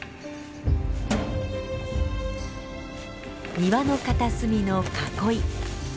庭の片隅の囲い。